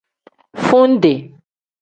Fundi.